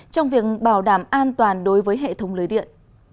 trong việc bảo đảm an toàn đối với hệ thống lưới điện